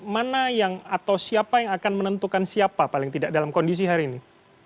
mana yang atau siapa yang akan menentukan siapa paling tidak dalam kondisi hari ini